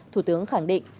thủ tướng khẳng định